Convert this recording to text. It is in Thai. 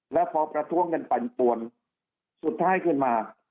แล้วพอประท้วงกันปั่นปวนสุดท้ายขึ้นมา